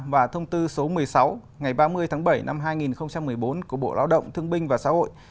và thông tư số một mươi sáu ngày ba mươi tháng bảy năm hai nghìn một mươi bốn của bộ lao động thương binh và xã hội